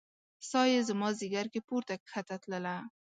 ساه يې زما ځیګر کې پورته کښته تلله